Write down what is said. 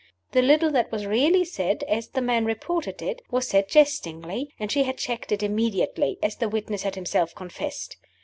The little that was really said (as the man reported it) was said jestingly; and she had checked it immediately as the witness had himself confessed.